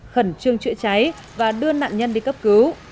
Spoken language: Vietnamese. khẩn trương chữa cháy và đưa nạn nhân đi cấp cứu